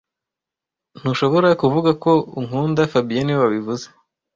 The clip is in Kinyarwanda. Ntushobora kuvuga ko unkunda fabien niwe wabivuze